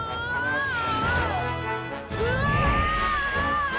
うわ！